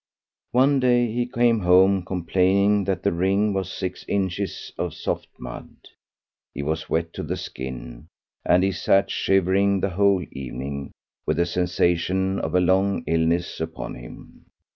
One day he came home complaining that the ring was six inches of soft mud; he was wet to the skin, and he sat shivering the whole evening, with the sensation of a long illness upon him.